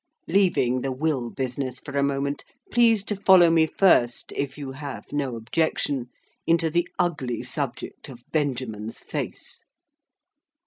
Leaving the will business for a moment, please to follow me first, if you have no objection, into the ugly subject of Benjamin's face.